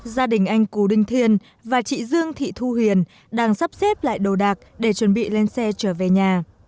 gia đình anh cù đinh thiên và chị dương thị thu huyền đang sắp xếp lại đồ đạc để chuẩn bị lên xe trở về nhà